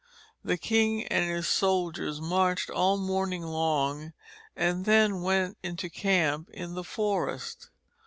The king and his soldiers marched all morning long and then went into camp in the forest.